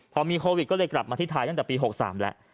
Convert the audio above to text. พอมีโควิดก็เลยกลับมาที่ไทยตั้งแต่ปี๖๓แล้ว